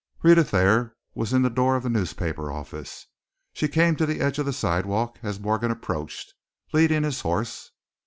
Rhetta Thayer was in the door of the newspaper office. She came to the edge of the sidewalk as Morgan approached, leading his horse.